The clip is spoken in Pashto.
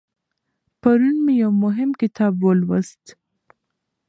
پرون مې یو مهم کتاب ولوست.